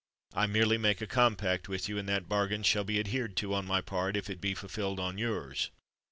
I merely make a compact with you—and that bargain shall be adhered to on my part, if it be fulfilled on yours.